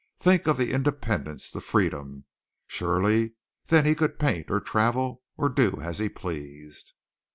Think of the independence, the freedom! Surely then he could paint or travel, or do as he pleased.